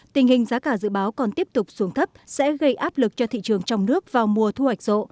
tình hình giá cả dự báo còn tiếp tục xuống thấp sẽ gây áp lực cho thị trường trong nước vào mùa thu hoạch rộ